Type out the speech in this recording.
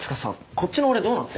こっちの俺どうなって。